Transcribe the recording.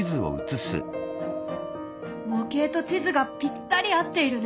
模型と地図がぴったり合っているね！